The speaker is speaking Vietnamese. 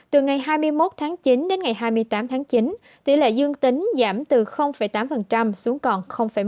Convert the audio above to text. từ ngày hai mươi một tháng chín đến ngày hai mươi tám tháng chín tỷ lệ dương tính giảm từ tám xuống còn một mươi một